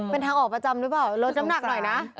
เป็นทางออกประจำหรือเปล่าลดน้ำหนักหน่อยนะ